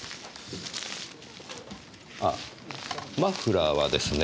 あマフラーはですね。